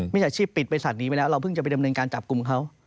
ฉาชีพปิดบริษัทนี้ไปแล้วเราเพิ่งจะไปดำเนินการจับกลุ่มเขา